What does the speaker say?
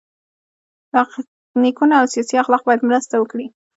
تخنیکونه او سیاسي اخلاق باید مرسته وکړي.